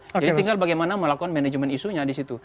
jadi tinggal bagaimana melakukan manajemen isunya disitu